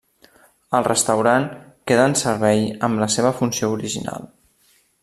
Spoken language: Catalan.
El restaurant queda en servei amb la seva funció original.